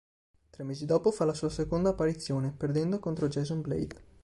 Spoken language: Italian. Tre mesi dopo, fa la sua seconda apparizione, perdendo contro Jason Blade.